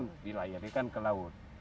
ya itu dilayarikan ke laut